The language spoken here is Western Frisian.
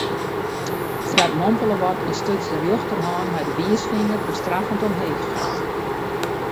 Fred mompele wat en stuts de rjochterhân mei de wiisfinger bestraffend omheech.